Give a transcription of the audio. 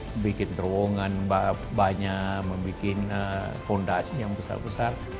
membuat terowongan banyak membuat fondasi yang besar besar